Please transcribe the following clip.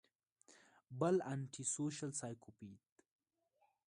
بل انټي سوشل سايکوپېت